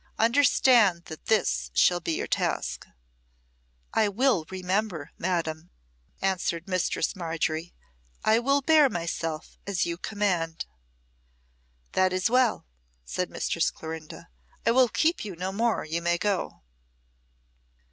Understand that this is to be your task." "I will remember," Madam, answered Mistress Margery. "I will bear myself as you command." "That is well," said Mistress Clorinda. "I will keep you no more. You may go."